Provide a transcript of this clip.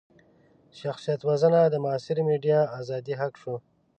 شخصيت وژنه د معاصرې ميډيايي ازادۍ حق شو.